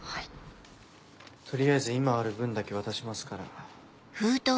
取りあえず今ある分だけ渡しますから。